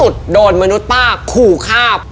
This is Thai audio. โดนมนุษย์ป้าโหลคาบ